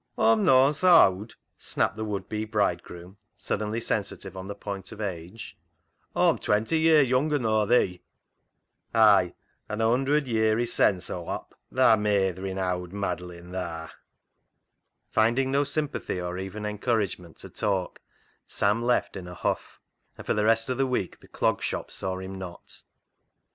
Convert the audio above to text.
" Aw'm nooan sa owd," snapped the would be bridegroom, suddenly sensitive on the point of age. " Aw'm twenty year younger nor thee." " Ay, an' a hundred year i' sense Aw wop [hope], thaa meytherin' owd maddlin' thaa." Finding no sympathy or even encouragement to talk, Sam left in a huff, and for the rest of the week the Clog Shop saw him not.